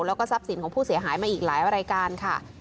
แล้วก็ทรัพย์สินของผู้เสียหายมาอีกหลายรายการค่ะ